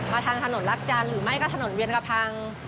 ทางถนนรักจันทร์หรือไม่ก็ถนนเวียนกระพัง